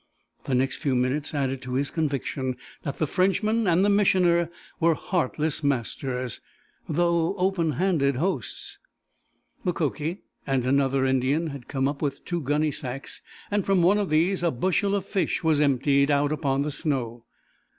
The next few minutes added to his conviction that the Frenchman and the Missioner were heartless masters, though open handed hosts. Mukoki and another Indian had come up with two gunny sacks, and from one of these a bushel of fish was emptied out upon the snow.